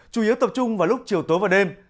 chủ yếu tập trung vào lúc chiều tối và đêm